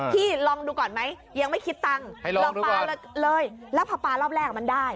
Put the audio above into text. ลองดูก่อนไหมยังไม่คิดตังค์ลองปลาเลยแล้วพอปลารอบแรกมันได้